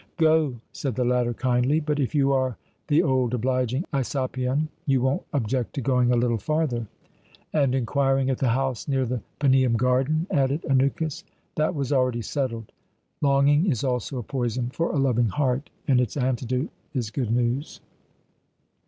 "Go," said the latter, kindly. "But if you are the old obliging Aisopion, you won't object to going a little farther." "And inquiring at the house near the Paneum garden," added Anukis. "That was already settled. Longing is also a poison for a loving heart, and its antidote is good news."